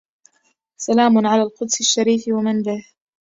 سلام على القدس الشريف ومن به